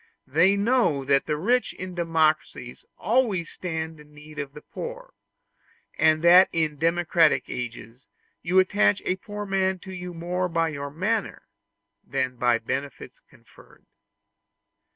They know that the rich in democracies always stand in need of the poor; and that in democratic ages you attach a poor man to you more by your manner than by benefits conferred.